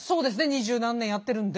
二十何年やってるんで。